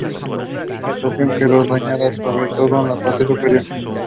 Syracuse is to the southeast.